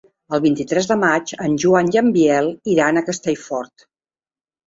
El vint-i-tres de maig en Joan i en Biel iran a Castellfort.